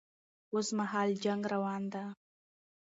اوس مهال جنګ روان ده